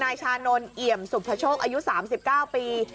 ชานนท์เอี่ยมสุภโชคอายุ๓๙ปี